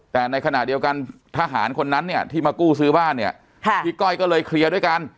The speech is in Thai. แต่ในขณะเดียวกันทหารคนนั้นเนี่ยที่มากู้ซื้อบ้านเนี่ยพี่ก้อยก็เลยเคลียร์ด้วยกัน